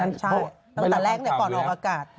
ตั้งแต่แรกเนี่ยก่อนออกอากาศ